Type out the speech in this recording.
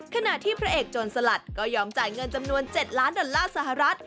ขณะที่พระเอกโจรสลัดก็ยอมจ่ายเงินจำนวน๗ล้านดอลลาร์สหรัฐ